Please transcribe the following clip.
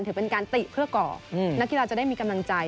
ถือเป็นการติเพื่อก่อนักกีฬาจะได้มีกำลังใจ